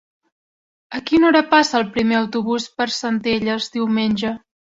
A quina hora passa el primer autobús per Centelles diumenge?